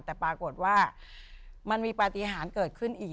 แต่ปรากฏว่ามันมีปฏิหารเกิดขึ้นอีก